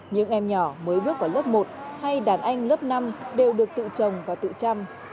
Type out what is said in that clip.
những em nhỏ mới bước vào lớp một hay đàn anh lớp năm đều được tự chồng và tự chăm